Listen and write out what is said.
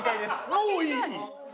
もういい。